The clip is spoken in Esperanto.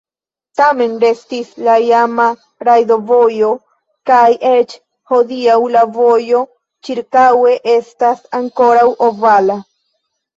Tamen restis la iama rajdovojo kaj eĉ hodiaŭ la vojo ĉirkaŭe estas ankoraŭ ovala.